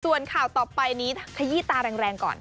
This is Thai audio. ส่วนข่าวต่อไปนี้ขยี้ตาแรงก่อน